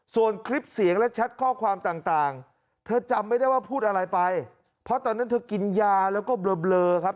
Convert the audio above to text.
ส่วนคลิปเสียงและแชทข้อความต่างเธอจำไม่ได้ว่าพูดอะไรไปเพราะตอนนั้นเธอกินยาแล้วก็เบลอครับ